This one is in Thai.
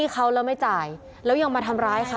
ก็กลายเป็นว่าติดต่อพี่น้องคู่นี้ไม่ได้เลยค่ะ